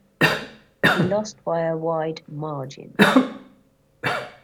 He lost by a wide margin.